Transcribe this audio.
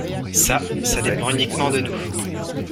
Ça, ça dépend uniquement de nous.